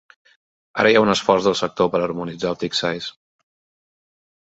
Ara hi ha un esforç del sector per harmonitzar el tick size.